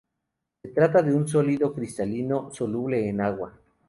Se trata de un sólido cristalino soluble en agua.